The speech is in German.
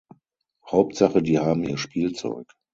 Hauptsache die haben ihr Spielzeug.